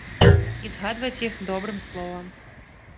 І згадваць іх добрым словам!